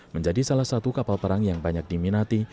menjadi salah satu kapal perang yang banyak diminati